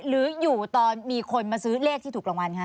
หรืออยู่ตอนมีคนมาซื้อเลขที่ถูกรางวัลคะ